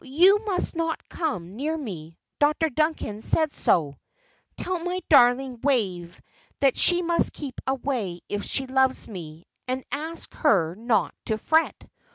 "You must not come near me: Dr. Duncan said so. Tell my darling Wave that she must keep away if she loves me, and ask her not to fret.